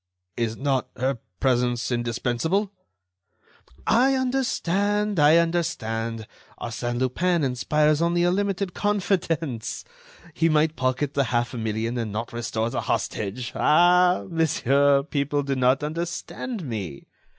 "Is not her presence indispensable?" "I understand! I understand! Arsène Lupin inspires only a limited confidence. He might pocket the half million and not restore the hostage. Ah! monsieur, people do not understand me.